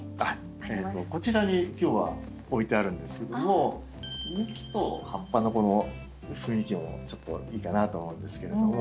こちらに今日は置いてあるんですけども幹と葉っぱのこの雰囲気もちょっといいかなと思うんですけれども。